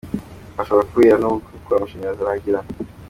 Aha hashobora kubera nk’ubukwe kuko amashanyarazi arahagera.